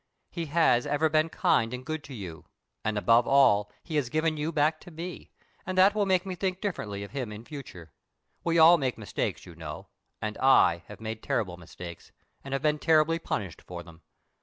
He has ever been kind and good to you, and, above all, he has given you back to me, and that will make me think differently of him in future. We all make mistakes, you know, and I have made terrible mistakes, and have been terribly punished for them.